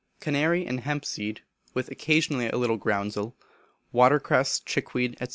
Canary and hemp seed, with occasionally a little groundsel, water cress, chickweed, &c.